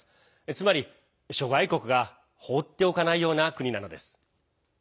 つまり諸外国が放っておかないような国なのです。